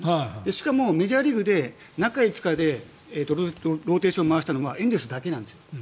しかもメジャーリーグで中５日でローテーションを回したのはエンゼルスだけなんです。